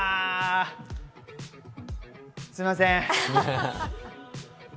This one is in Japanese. すみません。